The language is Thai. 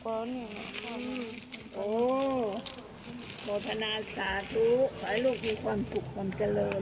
โภพนาสาธุ